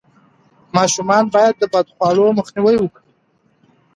ماشومان باید د بدخواړو مخنیوی وکړي.